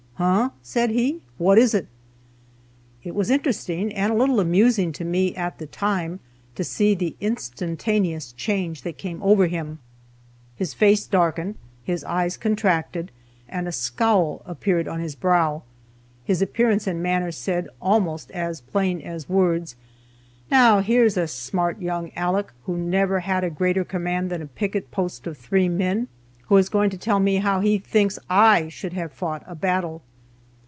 "Huh," said he, "what is it?" It was interesting, and a little amusing to me at the time, to see the instantaneous change that came over him. His face darkened, his eyes contracted, and a scowl appeared on his brow. His appearance and manner said, almost as plain as words: "Now here's a smart young Aleck, who never had a greater command than a picket post of three men, who is going to tell me how he thinks I should have fought a battle."